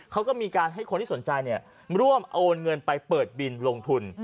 เขาก็มีการให้คนที่สนใจร่วมโอนเงินไปเปิดบินลงทุน